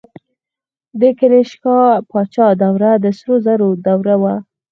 د کنیشکا پاچا دوره د سرو زرو دوره وه